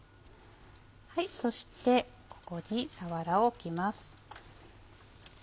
そしてここにさわらを置きます。